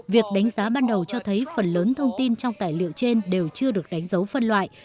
việc đánh giá ban đầu cho thấy phần lớn thông tin trong tài liệu trên đều chưa được đánh dấu phân loại